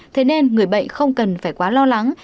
thế nên người bệnh không cần phải quá lo lắng